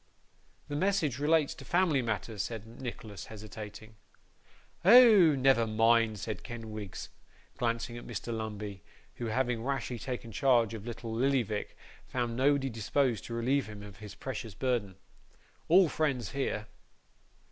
'The message relates to family matters,' said Nicholas, hesitating. 'Oh, never mind,' said Kenwigs, glancing at Mr. Lumbey, who, having rashly taken charge of little Lillyvick, found nobody disposed to relieve him of his precious burden. 'All friends here.